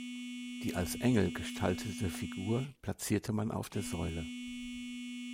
Die als Engel gestaltete Figur platzierte man auf der Säule.